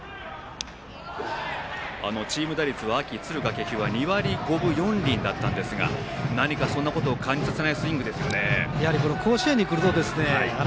チーム打率は秋、敦賀気比は２割５分４厘だったんですが何かそんなことを感じさせないスイングですね。